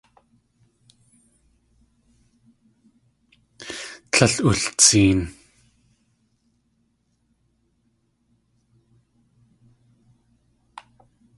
Tlél ultseen.